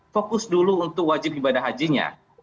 fokus dulu untuk wajib ibadah hajinya